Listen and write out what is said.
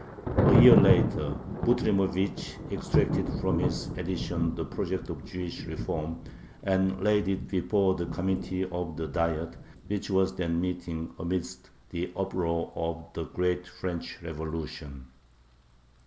A year later Butrymovich extracted from his edition the project of Jewish reform, and laid it before the committee of the Diet, which was then meeting amidst the uproar of the great French Revolution.